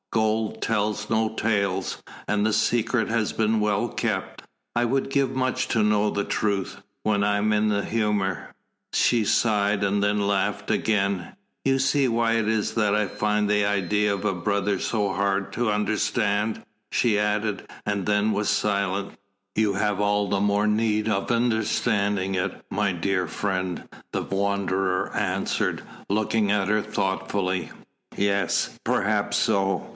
Gold tells no tales, and the secret has been well kept. I would give much to know the truth when I am in the humour." She sighed, and then laughed again. "You see why it is that I find the idea of a brother so hard to understand," she added, and then was silent. "You have all the more need of understanding it, my dear friend," the Wanderer answered, looking at her thoughtfully. "Yes perhaps so.